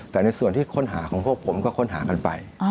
แต่ในส่วนที่ค้นหาของพวกผมก็ค้นหากันไป